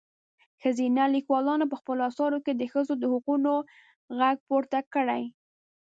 ښځينه لیکوالو په خپلو اثارو کې د ښځو د حقونو غږ پورته کړی.